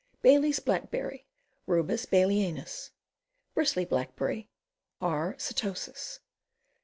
Bailey's Blackberry. Rubus Baileyanus. Bristly Blackberry. R. setosus.